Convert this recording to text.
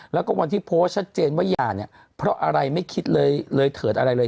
แล้วก็วันที่โพสต์ชัดเจนว่าหย่าเนี่ยเพราะอะไรไม่คิดเลยเลยเถิดอะไรเลย